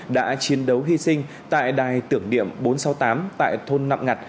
đã chiến đấu hy sinh tại đài tưởng điểm bốn trăm sáu mươi tám tại thôn nạm ngặt